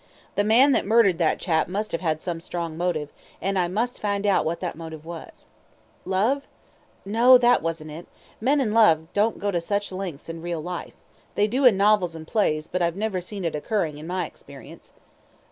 The man that murdered that chap must have had some strong motive, and I must find out what that motive was. Love? No, it wasn't that men in love don't go to such lengths in real life they do in novels and plays, but I've never seen it occurring in my experience.